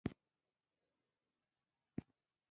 کرنې ډیر خواړه ورکړل؛ خو کیفیت یې ښه نه و.